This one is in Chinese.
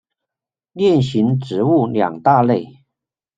链型植物两大类。